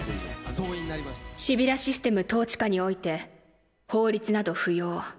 シビュラシステム統治下において法律など不要。